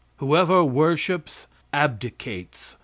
Whoever worships, abdicates.